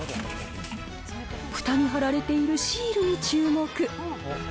ふたに貼られているシールに注目。